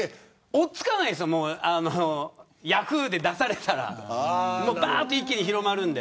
追い付かないんですヤフーで出されたらばーって一気に広がるので。